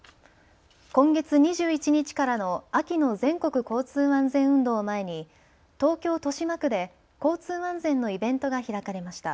今月２１日からの秋の全国交通安全運動を前に東京豊島区で交通安全のイベントが開かれました。